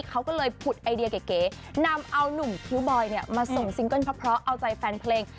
เขาก็เลยผุดไอเดียเก๋นำเอานุ่มคิ้วบอยมาส่งซิงเกิ้ลเพราะเอาใจแฟนเพลง